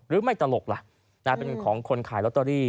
ไม่ตลกล่ะเป็นของคนขายลอตเตอรี่